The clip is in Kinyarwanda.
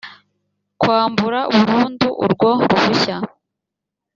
kwambura burundu urwo ruhushya